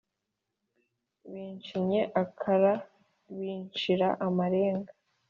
bincinye akara bincira amarenga